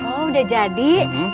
oh udah jadi